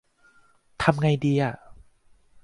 ทำไงดีอ่ะ ?